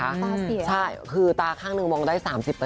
ตาเสียใช่คือตาข้างหนึ่งมองได้๓๐